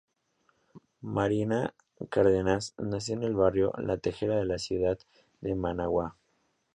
Marina Cárdenas nació en el barrio La Tejera de la ciudad de Managua.